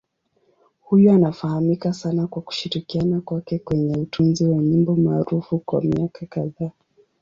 Huyu anafahamika sana kwa kushirikiana kwake kwenye utunzi wa nyimbo maarufu kwa miaka kadhaa.